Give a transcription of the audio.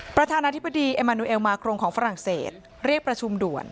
ประธานาธิบดีเอมานูเอลมาครองของฝรั่งเศสเรียกประชุมด่วน